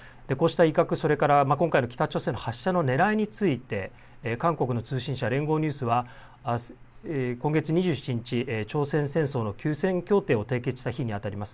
こうした威嚇、それから今回の北朝鮮の発射のねらいについて韓国の通信社、連合ニュースは今月２７日、朝鮮戦争の休戦協定を締結した日にあたります。